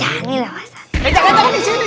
eh jangan jangan di sini